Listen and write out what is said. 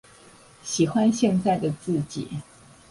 喜歡現在的自己